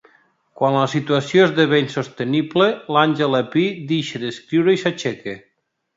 Quan la situació esdevé insostenible, l'Àngela Pi deixa d'escriure i s'aixeca.